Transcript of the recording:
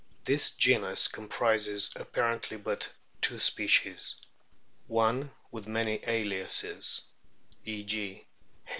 This genus comprises apparently but two species : one, with many aliases (e.g.